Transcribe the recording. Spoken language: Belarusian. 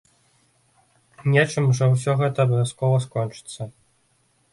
Нечым жа ўсё гэта абавязкова скончыцца.